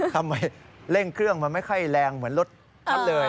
เร่งเครื่องมันไม่ค่อยแรงเหมือนรถท่านเลย